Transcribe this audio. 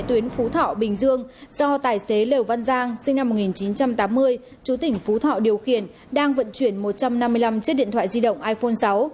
do tài xế lều văn giang sinh năm một nghìn chín trăm tám mươi chú tỉnh phú thọ điều khiển đang vận chuyển một trăm năm mươi năm chiếc điện thoại di động iphone sáu